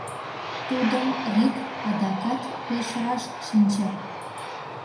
Тудым РИК адакат пеш раш шинча.